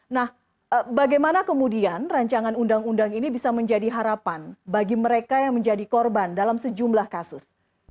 nah bagaimana kemudian rancangan undang undang ini bisa menjadi harapan bagi mereka yang menjadi korban dalam sejumlah kasus